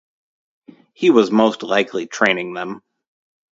He was most likely training them.